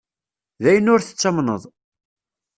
D ayen ur tettamneḍ.